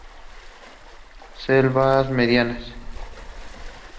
Selvas medianas.